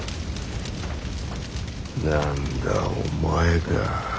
何だお前か。